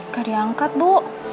gak diangkat bu